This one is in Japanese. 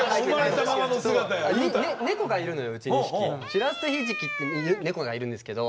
しらすとひじきっていう猫がいるんですけど。